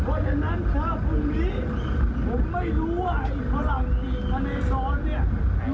เพราะฉะนั้นค่ะคุณวิผมไม่รู้ว่าไอ้ฝรั่งจีนอันนี้อยู่ไหน